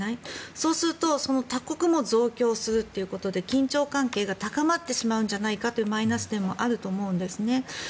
そうすると他国も増強するということで緊張関係が高まってしまうんじゃないかというマイナス点もあると思うんですね。